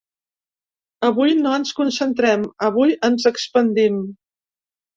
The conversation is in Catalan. Avui no ens concentrem, avui ens expandim.